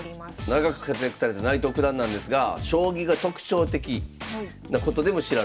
長く活躍された内藤九段なんですが将棋が特徴的なことでも知られてます。